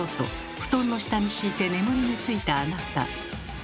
布団の下に敷いて眠りについたあなた。